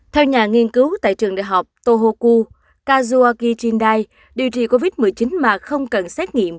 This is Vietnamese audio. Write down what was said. theo nhà nghiên cứu tại trường đại học tohoku kazuaki jindai điều trị covid một mươi chín mà không cần xét nghiệm